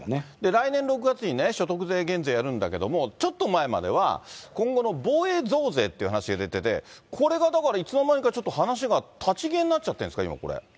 来年６月にね、所得税減税やるんだけれども、ちょっと前までは今後の防衛増税っていう話が出てて、これがだから、いつの間にかちょっと話が立ち消えになっちゃってるんですか、これ。